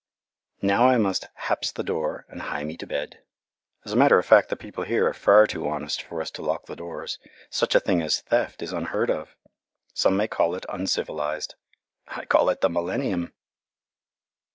Now I must "hapse the door," and hie me to bed. As a matter of fact the people here are far too honest for us to lock the doors. Such a thing as theft is unheard of. Some may call it uncivilized. I call it the millennium!